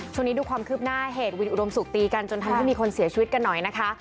ช่วงนี้ดูความคืบหน้าเหตุวินอุดมสุขตีกันจนทำให้มีคนเสียชีวิตกันหน่อยนะคะ